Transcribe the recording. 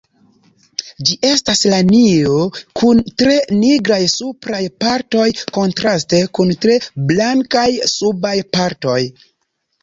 Ĝi estas lanio kun tre nigraj supraj partoj kontraste kun tre blankaj subaj partoj.